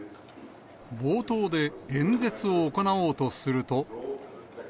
冒頭で演説を行おうとすると。